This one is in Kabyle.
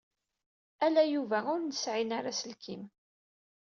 Ala Yuba ur yesɛin ara aselkim.